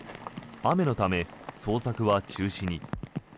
雨のため、捜索は中止に。